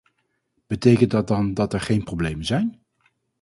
Betekent dat dan dat er geen problemen zijn?